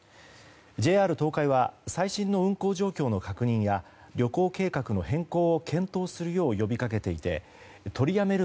ＪＲ東海は最新の運行状況の確認や旅行計画の変更を検討するよう呼び掛けていて取りやめる